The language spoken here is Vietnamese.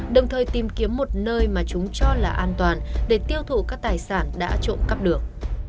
đồng thời tìm kiếm một nơi mà chúng cho là an toàn để tiêu thụ các tài sản đã trộm cắp được